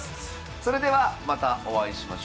それではまたお会いしましょう。さようなら。